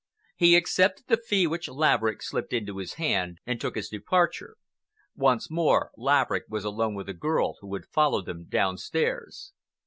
He accepted the fee which Laverick slipped into his hand, and took his departure. Once more Laverick was alone with the girl, who had followed them downstairs.